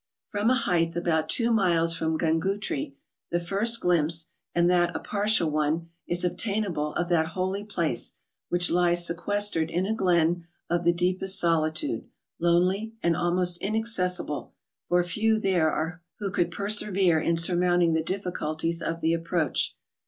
From a height about two miles from Gungootree, the first glimpse, and that a partial one, is obtain¬ able of that holy place, which lies sequestered in a glen of the deepest solitude, lonely, and almost in¬ accessible, for few there are who could persevere in surmounting the difficulties of the approach.